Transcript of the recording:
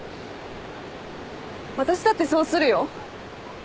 私だってそうするよ。